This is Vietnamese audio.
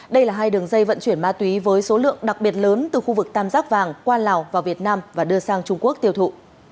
đây là hai đường dây vận chuyển ma túy với số lượng đặc biệt lớn từ khu vực tam giác vàng qua lào vào việt nam và đưa sang trung quốc tiêu thụ